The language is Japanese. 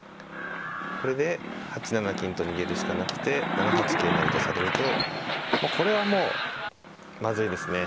これで８七金と逃げるしかなくて７八桂成とされるとこれはもうまずいですね。